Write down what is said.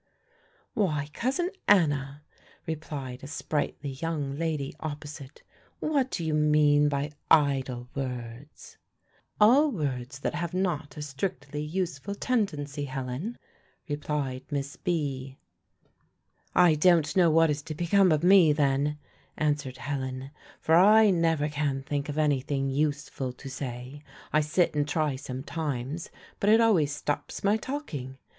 "Why, Cousin Anna," replied a sprightly young lady opposite, "what do you mean by idle words?" "All words that have not a strictly useful tendency, Helen," replied Miss B. "I don't know what is to become of me, then," answered Helen, "for I never can think of any thing useful to say. I sit and try sometimes, but it always stops my talking.